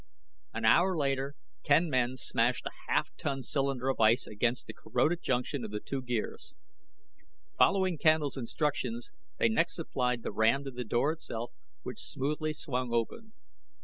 An hour later ten men smashed a half ton cylinder of ice against the corroded junction of the two gears. Following Candle's instructions, they next applied the ram to the door itself, which smoothly swung open.